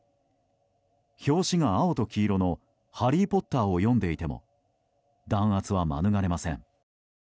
表紙が青と黄色の「ハリーポッター」を読んでいても弾圧は免れません。